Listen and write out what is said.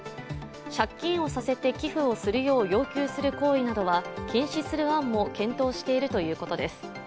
借金をさせて寄付をするよう要求する行為などは禁止する案も検討しているということです。